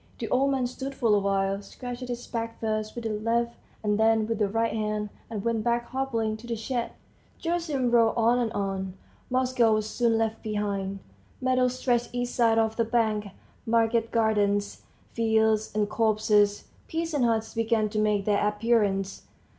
The old man stood for a while, scratched his back first with the left and then with the right hand, and went back hobbling to the shed. Gerasim rowed on and on. Moscow was soon left behind. Meadows stretched each side of the bank, market gardens, fields, and copses; peasants' huts began to make their appearance.